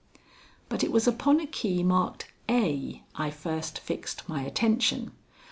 But it was upon a key marked "A" I first fixed my attention.